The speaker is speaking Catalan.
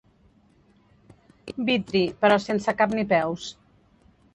Vitri, però sense cap ni peus.